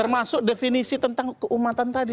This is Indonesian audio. termasuk definisi tentang keumatan tadi